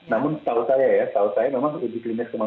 namun setahu saya ya setahu saya memang uji klinis ke manusia itu